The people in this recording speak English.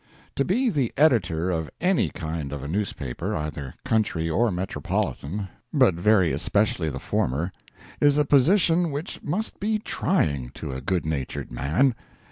To be the editor of any kind of a newspaper, either country or metropolitan (but very especially the former), is a position which must be trying to a good natured man.